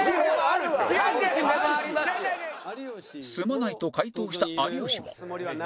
「住まない」と回答した有吉は